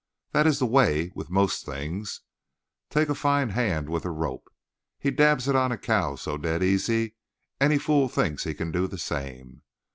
That is the way with most things. Take a fine hand with a rope. He daubs it on a cow so dead easy any fool thinks he can do the same.